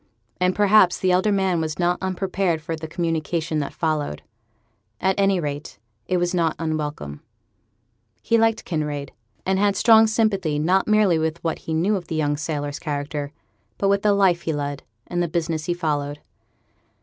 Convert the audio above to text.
And, perhaps, the elder man was not unprepared for the communication that followed. At any rate, it was not unwelcome. He liked Kinraid, and had strong sympathy not merely with what he knew of the young sailor's character, but with the life he led, and the business he followed.